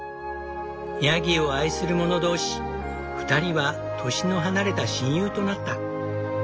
ヤギを愛する者同士２人は年の離れた親友となった。